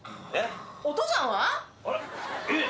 お父さんは？